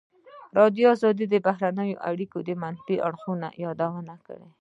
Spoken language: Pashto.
ازادي راډیو د بهرنۍ اړیکې د منفي اړخونو یادونه کړې.